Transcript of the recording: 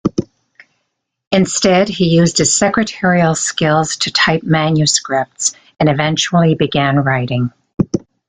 Instead he used his secretarial skills to type manuscripts, and eventually began writing.